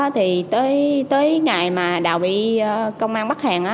thì tới ngày mà đào bị công an bắt hẹn